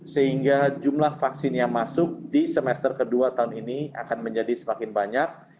sehingga jumlah vaksin yang masuk di semester kedua tahun ini akan menjadi semakin banyak